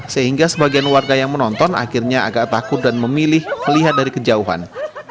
sehingga sebagian warga yang menonton akhirnya agak takut dan memilih melihat dari kejauhan